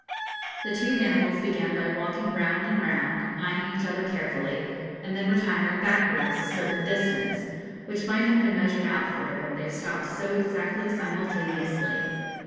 The two animals began by walking round and round, eyeing each other carefully, and then retiring backwards a certain distance, which might have been measured out for them, they stopped so exactly simultaneously.